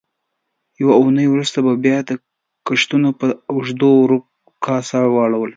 یوه اوونۍ وروسته به بیا د کښتونو په اوږدو ورځو کار ته ولاړل.